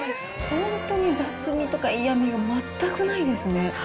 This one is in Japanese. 本当に雑味とか嫌味が全くないですね。